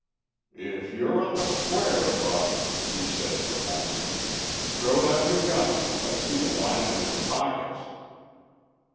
"If you're on the square, Buck," he said in a moment, "throw down your gun an' let's see the linin' of your pockets!"